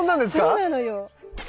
そうなのよ。